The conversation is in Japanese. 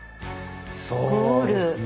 そうですね。